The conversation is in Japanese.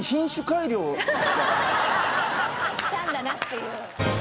したんだなっていう。